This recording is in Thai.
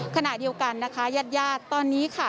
ขนาดเดียวกันนะคะยาดตอนนี้ค่ะ